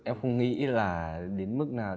em không nghĩ là đến mức nào